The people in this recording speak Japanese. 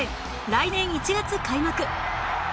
来年１月開幕